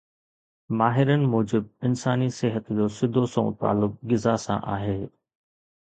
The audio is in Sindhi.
ماهرن موجب انساني صحت جو سڌو سنئون تعلق غذا سان آهي